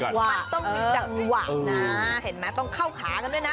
มันต้องมีจังหวะนะเห็นไหมต้องเข้าขากันด้วยนะ